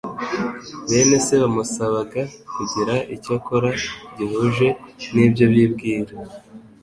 Bene se bamusabaga kugira icyo akora gihuje n'ibyo bibwira,